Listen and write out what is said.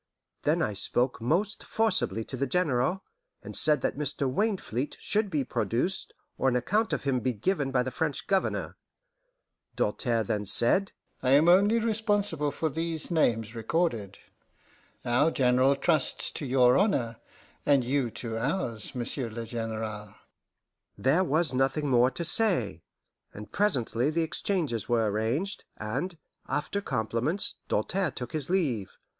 Then I spoke most forcibly to the General, and said that Mr. Wainfleet should be produced, or an account of him be given by the French Governor. Doltaire then said: "I am only responsible for these names recorded. Our General trusts to your honour, and you to ours, Monsieur le General." There was nothing more to say, and presently the exchanges were arranged, and, after compliments, Doltaire took his leave.